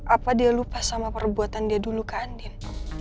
apa dia lupa sama perbuatan dia dulu ke andin